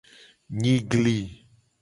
Nyigli.